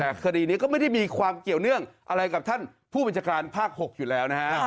แต่คดีนี้ก็ไม่ได้มีความเกี่ยวเนื่องอะไรกับท่านผู้บัญชาการภาค๖อยู่แล้วนะฮะ